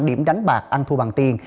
điểm đánh bạc ăn thu bằng tiền